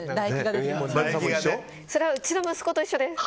それ、うちの息子と一緒です。